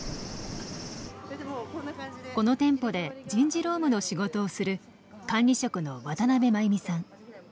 この店舗で人事労務の仕事をする管理職の渡邊真由美さん。